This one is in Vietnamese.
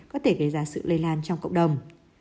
có thể gây ra sự lây lan trong cộng đồng